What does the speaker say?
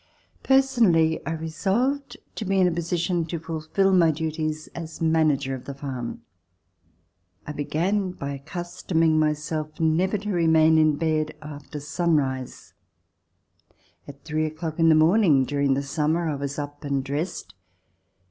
Personally, I resolved to be in a position to fulfill my duties as manager of the farm. I began by ac customing myself never to remain in bed after sun [ 197] RECOLLECTIONS OF THE REVOLUTION rise. At three o'clock in the morning, during the summer, I was up and dressed.